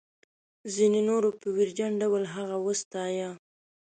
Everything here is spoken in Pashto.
ځینو نورو په ویرجن ډول هغه وستایه.